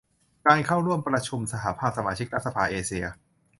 การเข้าร่วมประชุมสหภาพสมาชิกรัฐสภาเอเชีย